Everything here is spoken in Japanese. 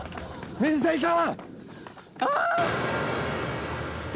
水谷さん！